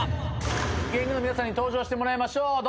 芸人の皆さんに登場してもらいましょう。